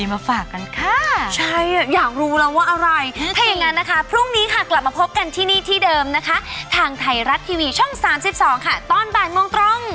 พรุ่งนี้กลับมาพบกันที่นี่ที่เดิมนะคะทางไทยรัดทีวีช่อง๓๒ต้อนบ่ายงงกรง